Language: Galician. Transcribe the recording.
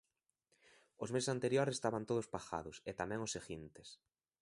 Os meses anteriores estaban todos pagados, e tamén os seguintes.